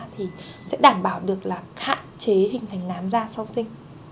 thì sẽ đảm bảo được là hạn chế hình thành lán da sau sinh